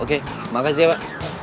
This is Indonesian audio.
oke makasih ya pak